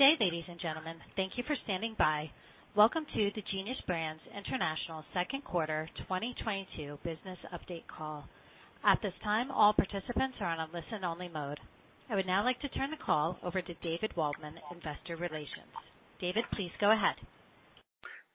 Good day, ladies and gentlemen. Thank you for standing by. Welcome to the Genius Brands International second quarter 2022 business update call. At this time, all participants are on a listen-only mode. I would now like to turn the call over to David Waldman, Investor Relations. David, please go ahead.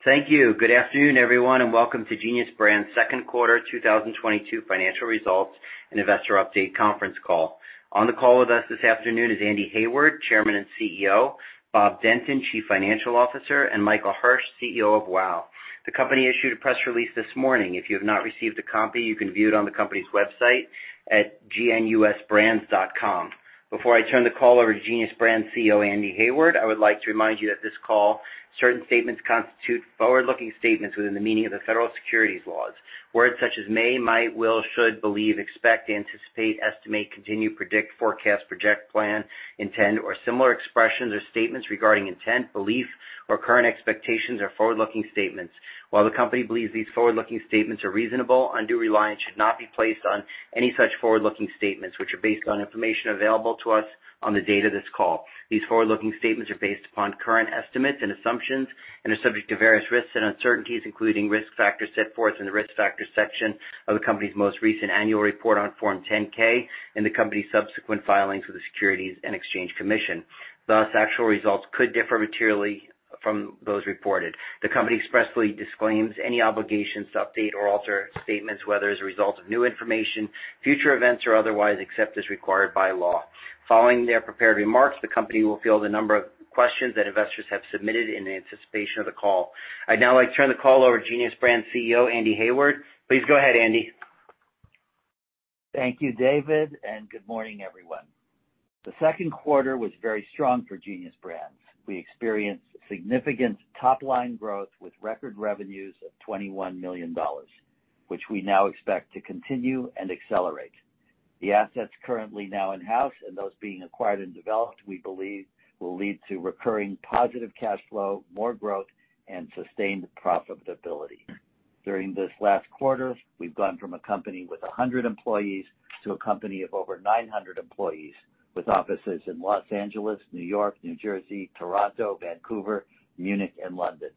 Thank you. Good afternoon, everyone, and welcome to Genius Brands second quarter 2022 financial results and investor update conference call. On the call with us this afternoon is Andy Heyward, Chairman and CEO, Bob Denton, Chief Financial Officer, and Michael Hirsh, CEO of WOW. The company issued a press release this morning. If you have not received a copy, you can view it on the company's website at geniusbrands.com. Before I turn the call over to Genius Brands CEO, Andy Heyward, I would like to remind you that on this call, certain statements constitute forward-looking statements within the meaning of the federal securities laws. Words such as may, might, will, should, believe, expect, anticipate, estimate, continue, predict, forecast, project, plan, intend or similar expressions or statements regarding intent, belief, or current expectations are forward-looking statements. While the company believes these forward-looking statements are reasonable, undue reliance should not be placed on any such forward-looking statements, which are based on information available to us on the date of this call. These forward-looking statements are based upon current estimates and assumptions and are subject to various risks and uncertainties, including risk factors set forth in the Risk Factors section of the company's most recent annual report on Form 10-K and the company's subsequent filings with the Securities and Exchange Commission. Thus, actual results could differ materially from those reported. The company expressly disclaims any obligations to update or alter statements, whether as a result of new information, future events or otherwise, except as required by law. Following their prepared remarks, the company will field a number of questions that investors have submitted in anticipation of the call. I'd now like to turn the call over to Genius Brands CEO, Andy Heyward. Please go ahead, Andy. Thank you, David, and good morning, everyone. The second quarter was very strong for Kartoon Studios. We experienced significant top-line growth with record revenues of $21 million, which we now expect to continue and accelerate. The assets currently now in-house and those being acquired and developed, we believe will lead to recurring positive cash flow, more growth, and sustained profitability. During this last quarter, we've gone from a company with 100 employees to a company of over 900 employees with offices in Los Angeles, New York, New Jersey, Toronto, Vancouver, Munich, and London.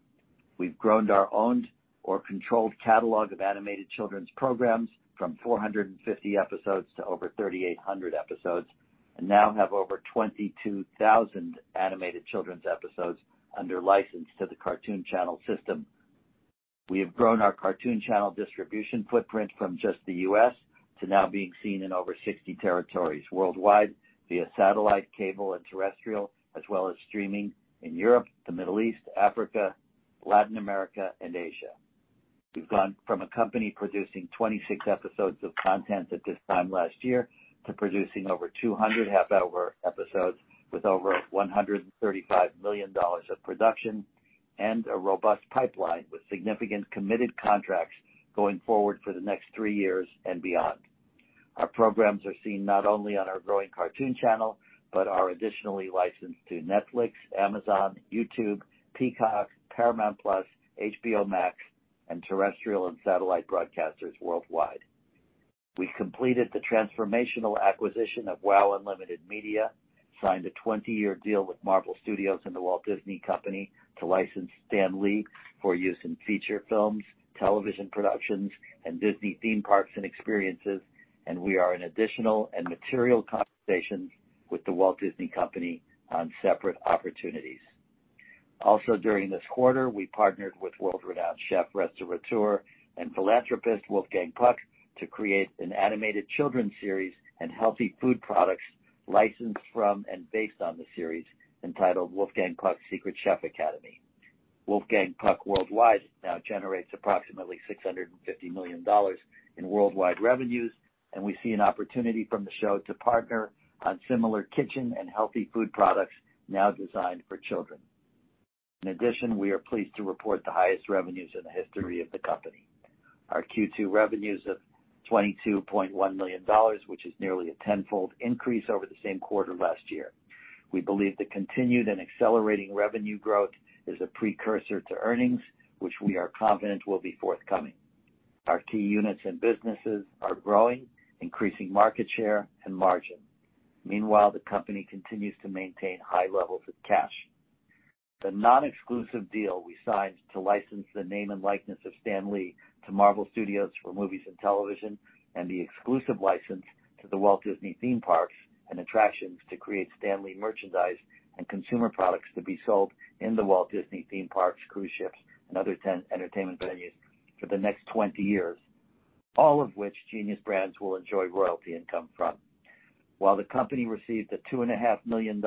We've grown our owned or controlled catalog of animated children's programs from 450 episodes to over 3,800 episodes, and now have over 22,000 animated children's episodes under license to the Kartoon Channel! system. We have grown our Kartoon Channel distribution footprint from just the U.S. to now being seen in over 60 territories worldwide via satellite, cable, and terrestrial, as well as streaming in Europe, the Middle East, Africa, Latin America, and Asia. We've gone from a company producing 26 episodes of content at this time last year to producing over 200 half-hour episodes with over $135 million of production and a robust pipeline with significant committed contracts going forward for the next 3 years and beyond. Our programs are seen not only on our growing Kartoon Channel, but are additionally licensed to Netflix, Amazon, YouTube, Peacock, Paramount+, HBO Max, and terrestrial and satellite broadcasters worldwide. We completed the transformational acquisition of WOW! Unlimited Media, signed a 20-year deal with Marvel Studios and The Walt Disney Company to license Stan Lee for use in feature films, television productions, and Disney theme parks and experiences, and we are in additional and material conversations with The Walt Disney Company on separate opportunities. Also, during this quarter, we partnered with world-renowned chef, restaurateur, and philanthropist Wolfgang Puck to create an animated children's series and healthy food products licensed from and based on the series entitled Wolfgang Puck's Secret Chef Academy. Wolfgang Puck Worldwide now generates approximately $650 million in worldwide revenues, and we see an opportunity from the show to partner on similar kitchen and healthy food products now designed for children. In addition, we are pleased to report the highest revenues in the history of the company. Our Q2 revenues of $22.1 million, which is nearly a tenfold increase over the same quarter last year. We believe the continued and accelerating revenue growth is a precursor to earnings, which we are confident will be forthcoming. Our key units and businesses are growing, increasing market share and margin. Meanwhile, the company continues to maintain high levels of cash. The non-exclusive deal we signed to license the name and likeness of Stan Lee to Marvel Studios for movies and television, and the exclusive license to the Walt Disney theme parks and attractions to create Stan Lee merchandise and consumer products to be sold in the Walt Disney theme parks, cruise ships, and other themed entertainment venues for the next 20 years, all of which Genius Brands will enjoy royalty income from. While the company received a $2.5 million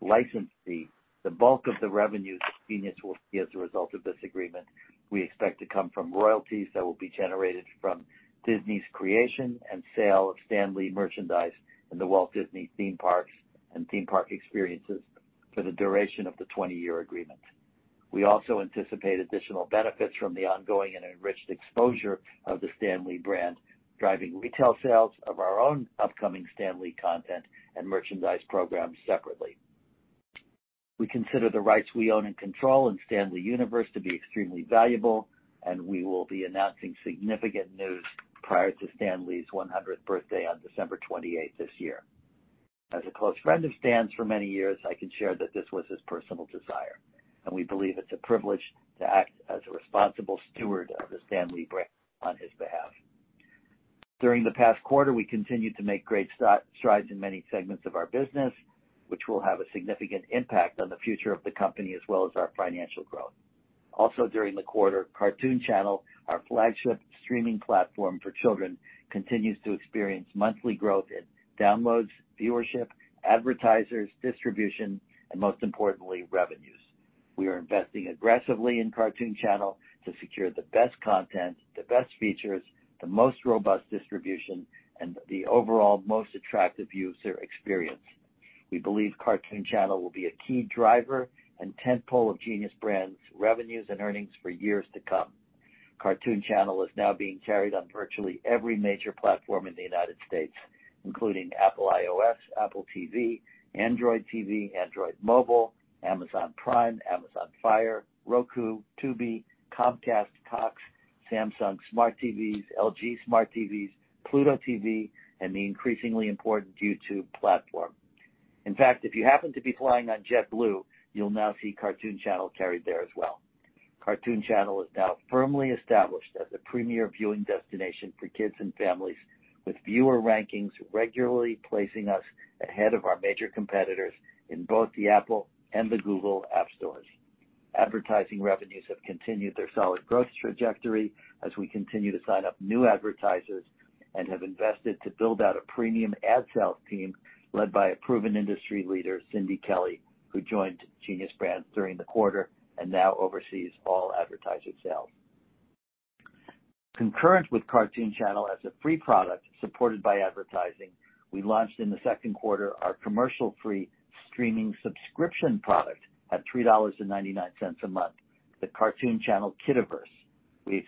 license fee, the bulk of the revenues that Genius will see as a result of this agreement, we expect to come from royalties that will be generated from Disney's creation and sale of Stan Lee merchandise in the Walt Disney theme parks and theme park experiences for the duration of the 20-year agreement. We also anticipate additional benefits from the ongoing and enriched exposure of the Stan Lee brand, driving retail sales of our own upcoming Stan Lee content and merchandise programs separately. We consider the rights we own and control in Stan Lee Universe to be extremely valuable, and we will be announcing significant news prior to Stan Lee's 100th birthday on December 28 this year. As a close friend of Stan's for many years, I can share that this was his personal desire, and we believe it's a privilege to act as a responsible steward of the Stan Lee brand on his behalf. During the past quarter, we continued to make great strides in many segments of our business, which will have a significant impact on the future of the company as well as our financial growth. Also during the quarter, Kartoon Channel!, our flagship streaming platform for children, continues to experience monthly growth in downloads, viewership, advertisers, distribution, and most importantly, revenues. We are investing aggressively in Kartoon Channel! to secure the best content, the best features, the most robust distribution, and the overall most attractive user experience. We believe Kartoon Channel! will be a key driver and tent pole of Genius Brands revenues and earnings for years to come. Kartoon Channel! is now being carried on virtually every major platform in the United States, including Apple iOS, Apple TV, Android TV, Android Mobile, Amazon Prime, Amazon Fire, Roku, Tubi, Comcast, Cox, Samsung Smart TVs, LG Smart TVs, Pluto TV, and the increasingly important YouTube platform. In fact, if you happen to be flying on JetBlue, you'll now see Kartoon Channel! carried there as well. Kartoon Channel! is now firmly established as a premier viewing destination for kids and families, with viewer rankings regularly placing us ahead of our major competitors in both the Apple and the Google App stores. Advertising revenues have continued their solid growth trajectory as we continue to sign up new advertisers and have invested to build out a premium ad sales team led by a proven industry leader, Cindy Kelly, who joined Genius Brands during the quarter and now oversees all advertiser sales. Concurrent with Kartoon Channel! as a free product supported by advertising, we launched in the second quarter our commercial-free streaming subscription product at $3.99 a month, the Kartoon Channel! Kidaverse. We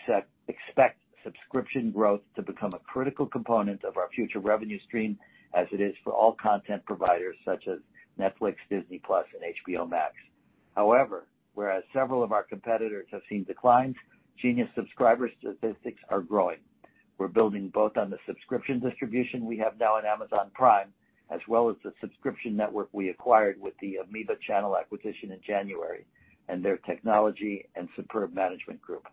expect subscription growth to become a critical component of our future revenue stream as it is for all content providers such as Netflix, Disney+ and HBO Max. However, whereas several of our competitors have seen declines, Genius subscriber statistics are growing. We're building both on the subscription distribution we have now on Amazon Prime, as well as the subscription network we acquired with the Ameba Channel acquisition in January and their technology and superb management group.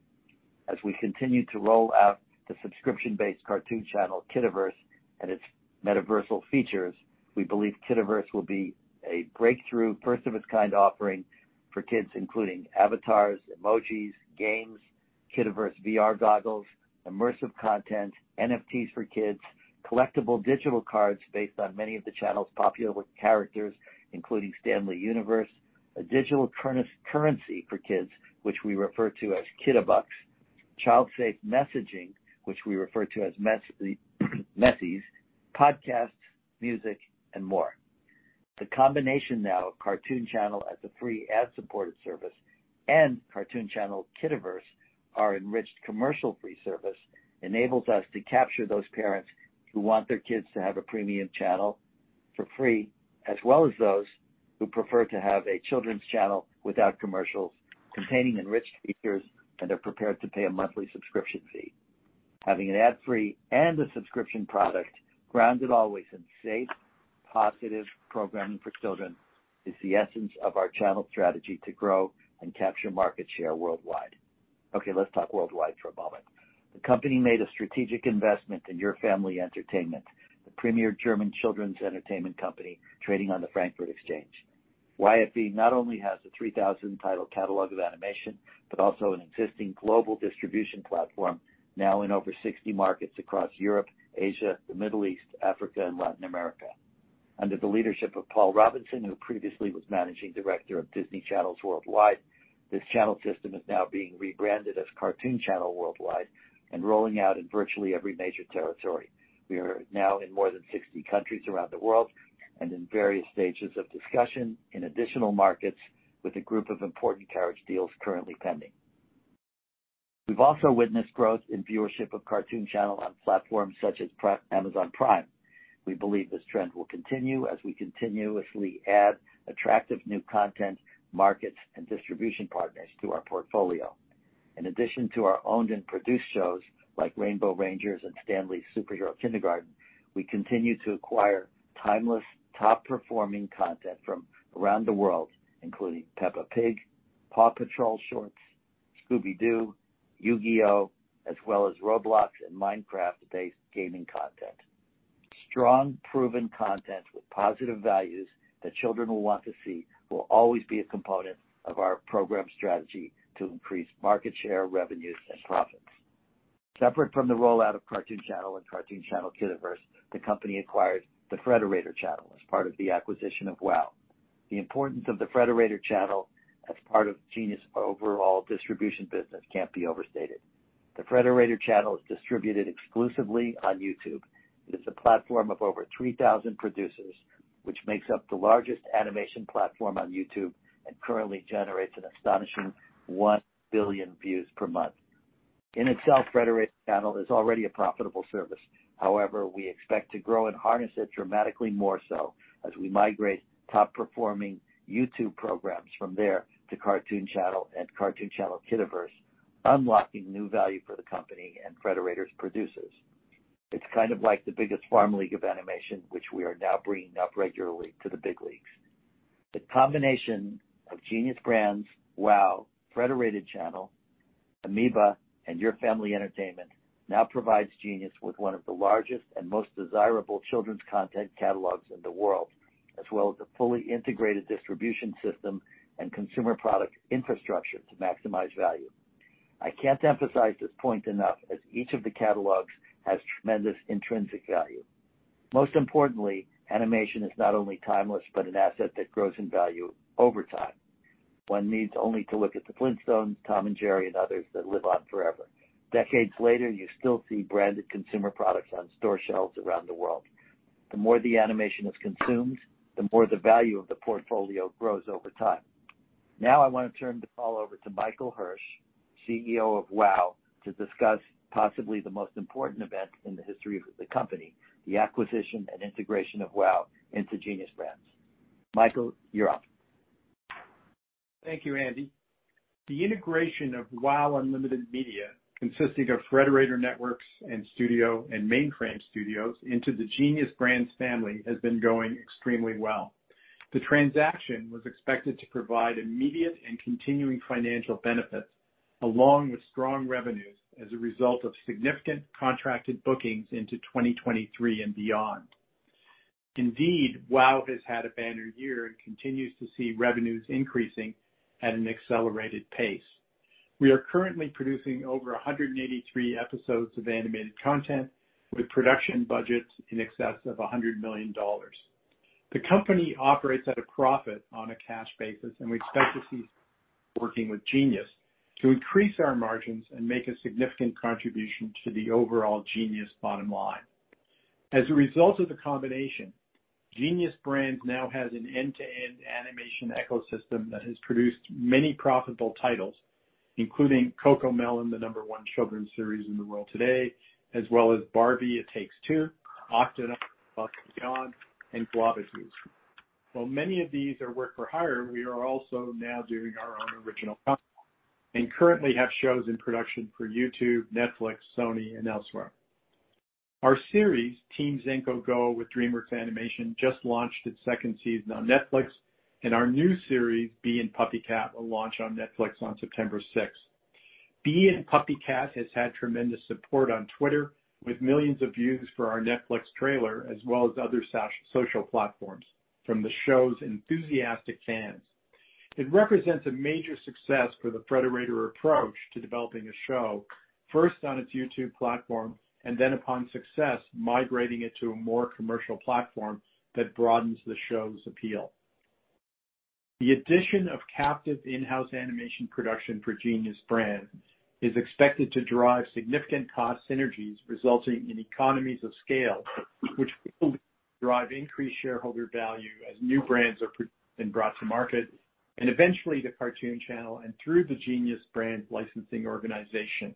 As we continue to roll out the subscription-based Kartoon Channel! Kidaverse and its metaverse features, we believe Kidiverse will be a breakthrough first of its kind offering for kids, including avatars, emojis, games, Kidiverse VR goggles, immersive content, NFTs for kids, collectible digital cards based on many of the channel's popular characters, including Stan Lee Universe, a digital currency for kids, which we refer to as Kidibucks, child safe messaging, which we refer to as messies, podcasts, music and more. The combination now of Kartoon Channel! as a free ad-supported service and Kartoon Channel! Kidaverse, our enriched commercial-free service, enables us to capture those parents who want their kids to have a premium channel for free, as well as those who prefer to have a children's channel without commercials containing enriched features, and they're prepared to pay a monthly subscription fee. Having an ad-free and a subscription product grounded always in safe, positive programming for children is the essence of our channel strategy to grow and capture market share worldwide. Okay, let's talk worldwide for a moment. The company made a strategic investment in Your Family Entertainment, the premier German children's entertainment company trading on the Frankfurt Exchange. YFE not only has a 3,000 title catalog of animation, but also an existing global distribution platform now in over 60 markets across Europe, Asia, the Middle East, Africa and Latin America. Under the leadership of Paul Robinson, who previously was managing director of Disney Channels Worldwide, this channel system is now being rebranded as Kartoon Channel! Worldwide and rolling out in virtually every major territory. We are now in more than 60 countries around the world and in various stages of discussion in additional markets with a group of important carriage deals currently pending. We've also witnessed growth in viewership of Kartoon Channel on platforms such as Amazon Prime. We believe this trend will continue as we continuously add attractive new content, markets and distribution partners to our portfolio. In addition to our owned and produced shows like Rainbow Rangers and Stan Lee's Superhero Kindergarten, we continue to acquire timeless, top-performing content from around the world, including Peppa Pig, PAW Patrol Shorts, Scooby-Doo, Yu-Gi-Oh, as well as Roblox and Minecraft-based gaming content. Strong, proven content with positive values that children will want to see will always be a component of our program strategy to increase market share, revenues and profits. Separate from the rollout of Kartoon Channel! and Kartoon Channel! Kidaverse, the company acquired the Frederator Network as part of the acquisition of WOW. The importance of the Frederator Network as part of Genius' overall distribution business can't be overstated. The Frederator Network is distributed exclusively on YouTube. It is a platform of over 3,000 producers, which makes up the largest animation platform on YouTube and currently generates an astonishing 1 billion views per month. In itself, Frederator Channel is already a profitable service. However, we expect to grow and harness it dramatically more so as we migrate top performing YouTube programs from there to Kartoon Channel! and Kartoon Channel! Kidaverse. Unlocking new value for the company and Frederator's producers. It's kind of like the biggest farm league of animation, which we are now bringing up regularly to the big leagues. The combination of Genius Brands, WOW!, Frederator Channel, Ameba, and Your Family Entertainment now provides Genius with one of the largest and most desirable children's content catalogs in the world, as well as a fully integrated distribution system and consumer product infrastructure to maximize value. I can't emphasize this point enough, as each of the catalogs has tremendous intrinsic value. Most importantly, animation is not only timeless, but an asset that grows in value over time. One needs only to look at The Flintstones, Tom and Jerry, and others that live on forever. Decades later, you still see branded consumer products on store shelves around the world. The more the animation is consumed, the more the value of the portfolio grows over time. Now I want to turn the call over to Michael Hirsh, CEO of WOW!, to discuss possibly the most important event in the history of the company, the acquisition and integration of WOW! into Genius Brands. Michael, you're up. Thank you, Andy. The integration of WOW! Unlimited Media, consisting of Frederator Networks and Mainframe Studios into the Genius Brands family has been going extremely well. The transaction was expected to provide immediate and continuing financial benefits, along with strong revenues as a result of significant contracted bookings into 2023 and beyond. Indeed, WOW! has had a banner year and continues to see revenues increasing at an accelerated pace. We are currently producing over 183 episodes of animated content with production budgets in excess of $100 million. The company operates at a profit on a cash basis, and we expect to see working with Genius to increase our margins and make a significant contribution to the overall Genius bottom line. As a result of the combination, Kartoon Studios now has an end-to-end animation ecosystem that has produced many profitable titles, including Cocomelon, the number one children's series in the world today, as well as Barbie: It Takes Two, Octonauts: Above & Beyond, and Guava Juice. While many of these are work for hire, we are also now doing our own original content and currently have shows in production for YouTube, Netflix, Sony, and elsewhere. Our series, Team Zenko Go with DreamWorks Animation, just launched its second season on Netflix, and our new series, Bee and PuppyCat, will launch on Netflix on September sixth. Bee and PuppyCat has had tremendous support on Twitter with millions of views for our Netflix trailer, as well as other social platforms from the show's enthusiastic fans. It represents a major success for the Frederator approach to developing a show first on its YouTube platform, and then upon success, migrating it to a more commercial platform that broadens the show's appeal. The addition of captive in-house animation production for Genius Brands is expected to drive significant cost synergies, resulting in economies of scale, which will drive increased shareholder value as new brands are brought to market and eventually the Kartoon Channel and through the Genius Brands licensing organization.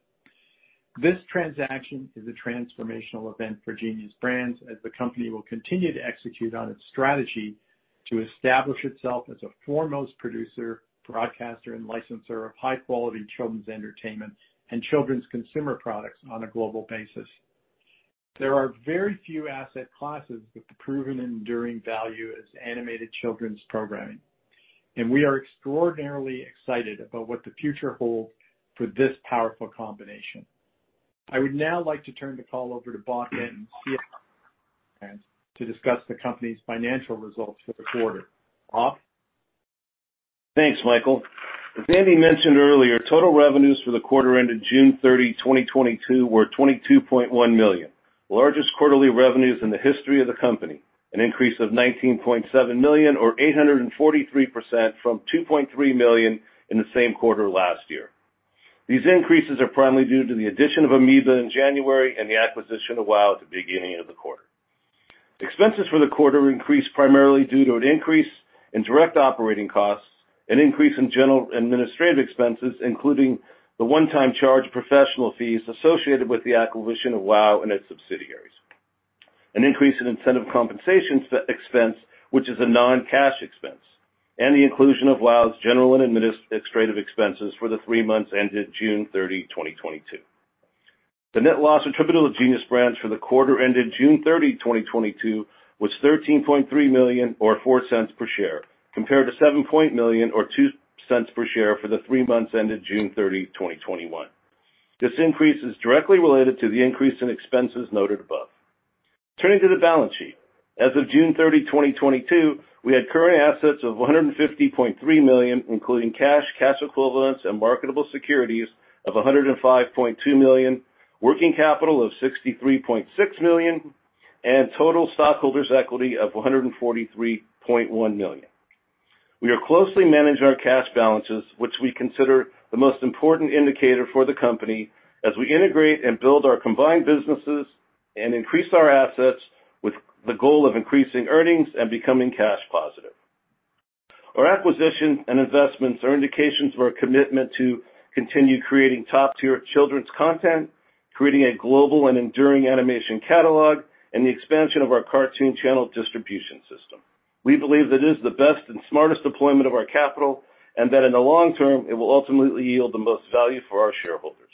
This transaction is a transformational event for Genius Brands as the company will continue to execute on its strategy to establish itself as a foremost producer, broadcaster, and licenser of high-quality children's entertainment and children's consumer products on a global basis. There are very few asset classes with the proven enduring value as animated children's programming, and we are extraordinarily excited about what the future holds for this powerful combination. I would now like to turn the call over to Bob Denton, CFO, to discuss the company's financial results for the quarter. Bob? Thanks, Michael. As Andy mentioned earlier, total revenues for the quarter ended June 30, 2022 were $22.1 million, the largest quarterly revenues in the history of the company, an increase of $19.7 million or 843% from $2.3 million in the same quarter last year. These increases are primarily due to the addition of Ameba in January and the acquisition of WOW! at the beginning of the quarter. Expenses for the quarter increased primarily due to an increase in direct operating costs, an increase in general administrative expenses, including the one-time charge professional fees associated with the acquisition of WOW! and its subsidiaries. An increase in incentive compensation expense, which is a non-cash expense, and the inclusion of WOW!'s general and administrative expenses for the three months ended June 30, 2022. The net loss attributable to Genius Brands for the quarter ended June 30, 2022 was $13.3 million or $0.04 per share, compared to $7 million or $0.02 per share for the three months ended June 30, 2021. This increase is directly related to the increase in expenses noted above. Turning to the balance sheet. As of June 30, 2022, we had current assets of $150.3 million, including cash equivalents, and marketable securities of $105.2 million, working capital of $63.6 million, and total stockholders' equity of $143.1 million. We are closely managing our cash balances, which we consider the most important indicator for the company as we integrate and build our combined businesses and increase our assets with the goal of increasing earnings and becoming cash positive. Our acquisitions and investments are indications of our commitment to continue creating top-tier children's content. Creating a global and enduring animation catalog and the expansion of our cartoon channel distribution system. We believe that it is the best and smartest deployment of our capital, and that in the long term, it will ultimately yield the most value for our shareholders.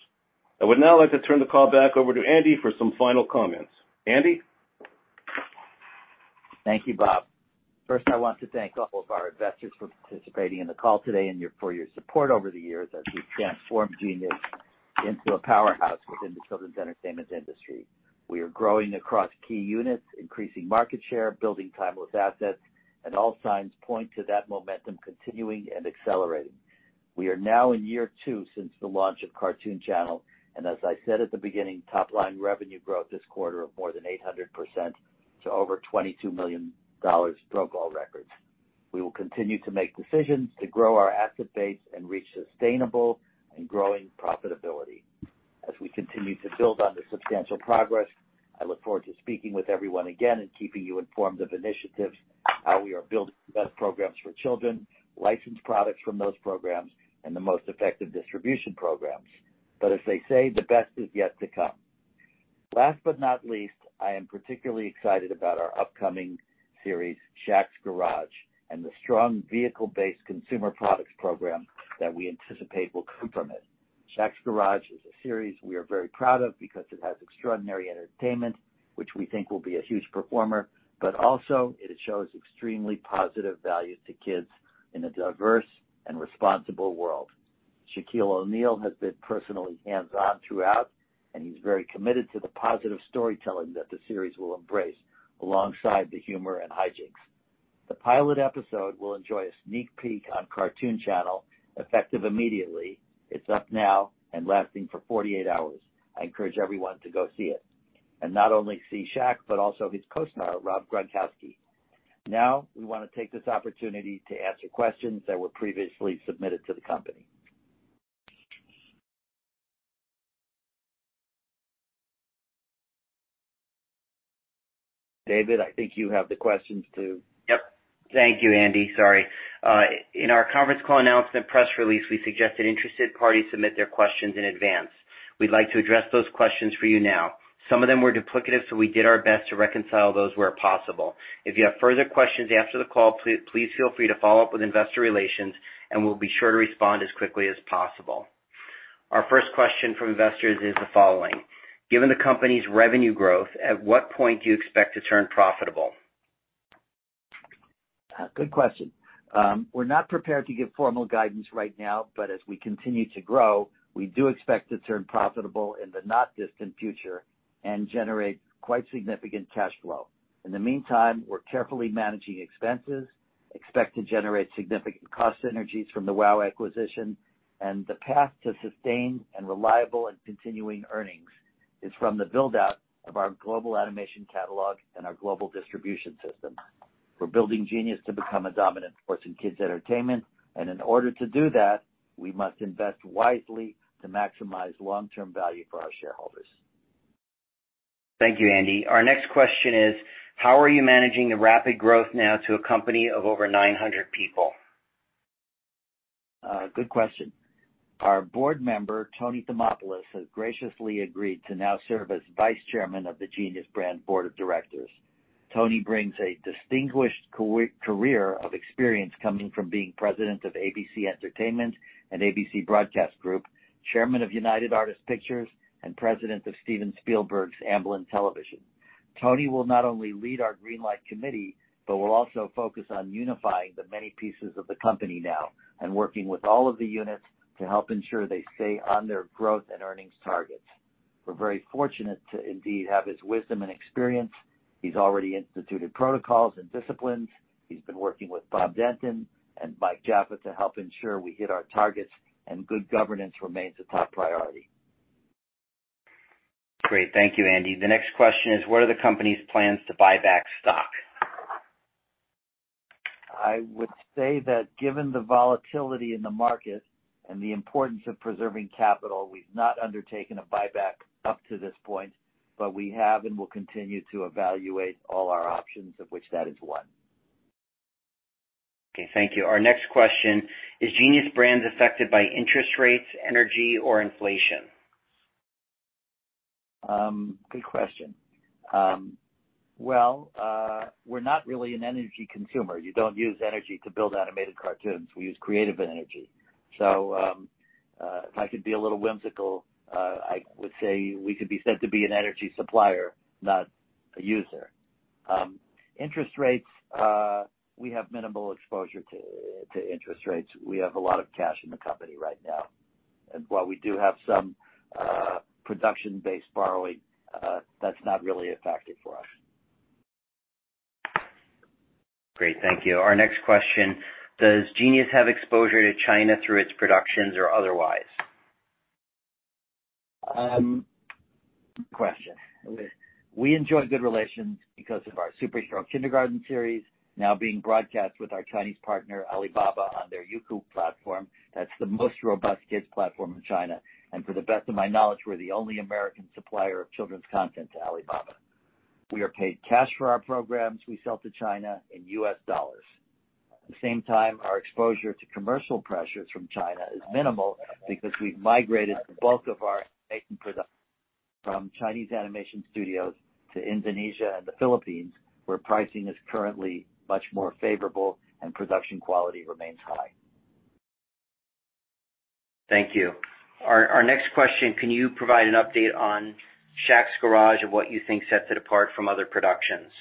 I would now like to turn the call back over to Andy for some final comments. Andy? Thank you, Bob. First, I want to thank all of our investors for participating in the call today and for your support over the years as we've transformed Genius into a powerhouse within the children's entertainment industry. We are growing across key units, increasing market share, building timeless assets, and all signs point to that momentum continuing and accelerating. We are now in year 2 since the launch of Kartoon Channel!, and as I said at the beginning, top line revenue growth this quarter of more than 800% to over $22 million broke all records. We will continue to make decisions to grow our asset base and reach sustainable and growing profitability. As we continue to build on this substantial progress, I look forward to speaking with everyone again and keeping you informed of initiatives, how we are building the best programs for children, licensed products from those programs, and the most effective distribution programs. As they say, the best is yet to come. Last but not least, I am particularly excited about our upcoming series, Shaq's Garage, and the strong vehicle-based consumer products program that we anticipate will come from it. Shaq's Garage is a series we are very proud of because it has extraordinary entertainment, which we think will be a huge performer, but also it shows extremely positive value to kids in a diverse and responsible world. Shaquille O'Neal has been personally hands-on throughout, and he's very committed to the positive storytelling that the series will embrace alongside the humor and hijinks. The pilot episode will enjoy a sneak peek on Kartoon Channel! effective immediately. It's up now and lasting for 48 hours. I encourage everyone to go see it, and not only see Shaq, but also his co-star, Rob Gronkowski. Now, we want to take this opportunity to answer questions that were previously submitted to the company. David, I think you have the questions to. Yep. Thank you, Andy. Sorry. In our conference call announcement press release, we suggested interested parties submit their questions in advance. We'd like to address those questions for you now. Some of them were duplicative, so we did our best to reconcile those where possible. If you have further questions after the call, please feel free to follow up with investor relations, and we'll be sure to respond as quickly as possible. Our first question from investors is the following: Given the company's revenue growth, at what point do you expect to turn profitable? Good question. We're not prepared to give formal guidance right now, but as we continue to grow, we do expect to turn profitable in the not distant future and generate quite significant cash flow. In the meantime, we're carefully managing expenses, expect to generate significant cost synergies from the WOW! acquisition, and the path to sustained and reliable and continuing earnings is from the build-out of our global animation catalog and our global distribution system. We're building Genius to become a dominant force in kids' entertainment, and in order to do that, we must invest wisely to maximize long-term value for our shareholders. Thank you, Andy. Our next question is: How are you managing the rapid growth now to a company of over 900 people? Good question. Our board member, Tony Thomopoulos, has graciously agreed to now serve as vice chairman of the Genius Brands board of directors. Tony brings a distinguished career of experience coming from being president of ABC Entertainment and ABC Broadcast Group, chairman of United Artists Pictures, and president of Steven Spielberg's Amblin Television. Tony will not only lead our Greenlight committee, but will also focus on unifying the many pieces of the company now and working with all of the units to help ensure they stay on their growth and earnings targets. We're very fortunate to indeed have his wisdom and experience. He's already instituted protocols and disciplines. He's been working with Bob Denton and Mike Jaffa to help ensure we hit our targets and good governance remains a top priority. Great. Thank you, Andy Heyward. The next question is: What are the company's plans to buy back stock? I would say that given the volatility in the market and the importance of preserving capital, we've not undertaken a buyback up to this point, but we have and will continue to evaluate all our options, of which that is one. Okay, thank you. Our next question: Is Genius Brands affected by interest rates, energy, or inflation? Good question. Well, we're not really an energy consumer. You don't use energy to build animated cartoons. We use creative energy. If I could be a little whimsical, I would say we could be said to be an energy supplier, not a user. Interest rates, we have minimal exposure to interest rates. We have a lot of cash in the company right now. While we do have some production-based borrowing, that's not really a factor for us. Great. Thank you. Our next question: Does Genius have exposure to China through its productions or otherwise? Good question. We enjoy good relations because of our Stan Lee's Superhero Kindergarten series now being broadcast with our Chinese partner, Alibaba, on their Youku platform. That's the most robust kids platform in China. To the best of my knowledge, we're the only American supplier of children's content to Alibaba. We are paid cash for our programs we sell to China in U.S dollars. At the same time, our exposure to commercial pressures from China is minimal because we've migrated the bulk of our animation production from Chinese animation studios to Indonesia and the Philippines, where pricing is currently much more favorable and production quality remains high. Thank you. Our next question, can you provide an update on Shaq's Garage and what you think sets it apart from other productions?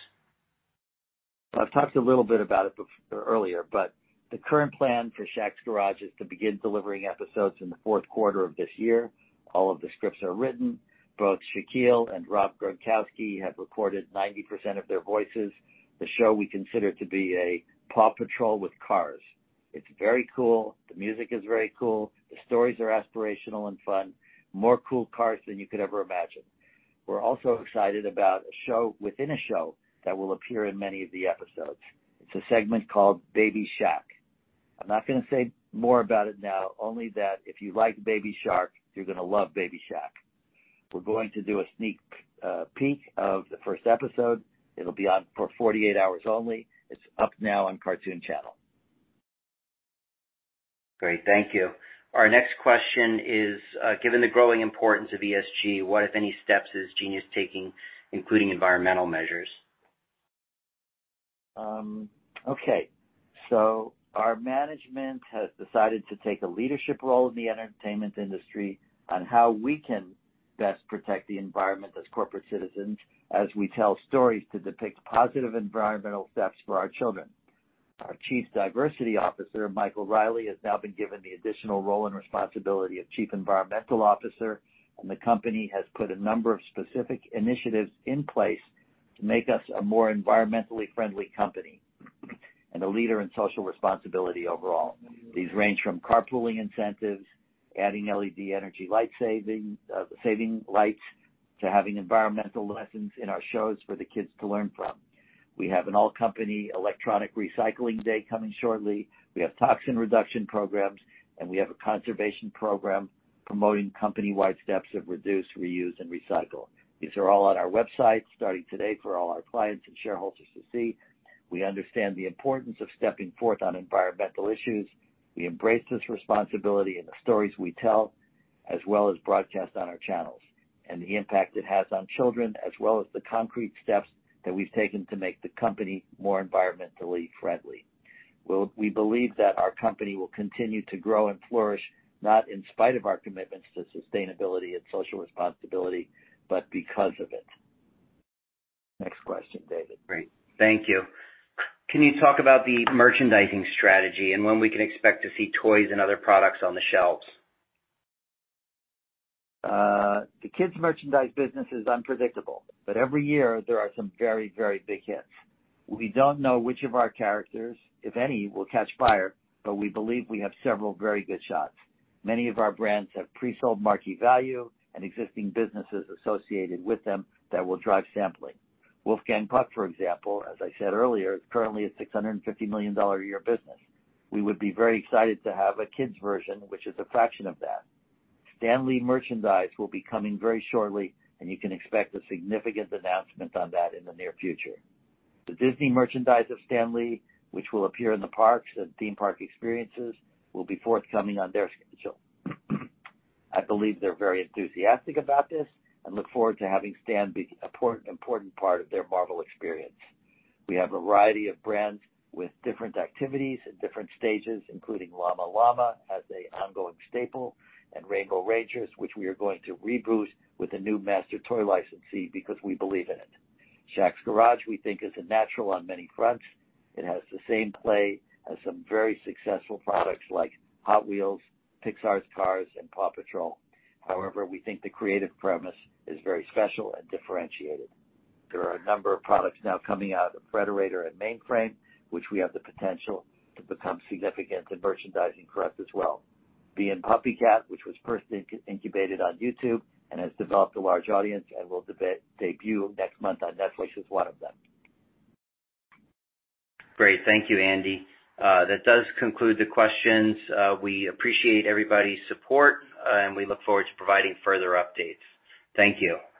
I've talked a little bit about it earlier, but the current plan for Shaq's Garage is to begin delivering episodes in the fourth quarter of this year. All of the scripts are written. Both Shaquille and Rob Gronkowski have recorded 90% of their voices. The show we consider to be a PAW Patrol with cars. It's very cool. The music is very cool. The stories are aspirational and fun, more cool cars than you could ever imagine. We're also excited about a show within a show that will appear in many of the episodes. It's a segment called Baby Shaq. I'm not gonna say more about it now, only that if you like Baby Shark, you're gonna love Baby Shaq. We're going to do a sneak peek of the first episode. It'll be on for 48 hours only. It's up now on Kartoon Channel!. Great. Thank you. Our next question is, given the growing importance of ESG, what, if any, steps is Kartoon Studios taking, including environmental measures? Our management has decided to take a leadership role in the entertainment industry on how we can best protect the environment as corporate citizens, as we tell stories to depict positive environmental steps for our children. Our Chief Diversity Officer, Michael Riley, has now been given the additional role and responsibility of Chief Environmental Officer, and the company has put a number of specific initiatives in place to make us a more environmentally friendly company and a leader in social responsibility overall. These range from carpooling incentives, adding LED energy-saving lights, to having environmental lessons in our shows for the kids to learn from. We have an all-company electronic recycling day coming shortly. We have toxin reduction programs, and we have a conservation program promoting company-wide steps of reduce, reuse, and recycle. These are all on our website starting today for all our clients and shareholders to see. We understand the importance of stepping forth on environmental issues. We embrace this responsibility in the stories we tell, as well as broadcast on our channels and the impact it has on children, as well as the concrete steps that we've taken to make the company more environmentally friendly. We believe that our company will continue to grow and flourish, not in spite of our commitments to sustainability and social responsibility, but because of it. Next question, David. Great. Thank you. Can you talk about the merchandising strategy and when we can expect to see toys and other products on the shelves? The kids merchandise business is unpredictable, but every year there are some very, very big hits. We don't know which of our characters, if any, will catch fire, but we believe we have several very good shots. Many of our brands have pre-sold marquee value and existing businesses associated with them that will drive sampling. Wolfgang Puck, for example, as I said earlier, is currently a $650 million a year business. We would be very excited to have a kids version, which is a fraction of that. Stan Lee merchandise will be coming very shortly, and you can expect a significant announcement on that in the near future. The Disney merchandise of Stan Lee, which will appear in the parks and theme park experiences, will be forthcoming on their schedule. I believe they're very enthusiastic about this and look forward to having Stan be important part of their Marvel experience. We have a variety of brands with different activities at different stages, including Llama Llama as an ongoing staple, and Rainbow Rangers, which we are going to reboot with a new master toy licensee because we believe in it. Shaq's Garage, we think, is a natural on many fronts. It has the same play as some very successful products like Hot Wheels, Pixar's Cars, and PAW Patrol. However, we think the creative premise is very special and differentiated. There are a number of products now coming out of Frederator & Mainframe, which we have the potential to become significant in merchandising for us as well. Bee and PuppyCat, which was first incubated on YouTube and has developed a large audience and will debut next month on Netflix, is one of them. Great. Thank you, Andy. That does conclude the questions. We appreciate everybody's support, and we look forward to providing further updates. Thank you.